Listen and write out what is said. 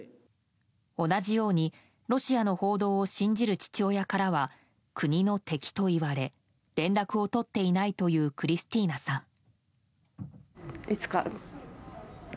同じようにロシアの報道を信じる父親からは国の敵と言われ連絡を取っていないというクリスティーナさん。